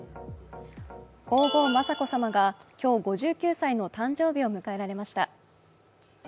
皇后・雅子さまが今日、５９歳の誕生日を迎えられました。